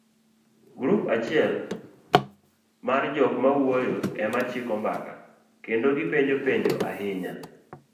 Grup achiel mar jokmawuoyo ema chiko mbaka kendo gipenjo penjo ahinya,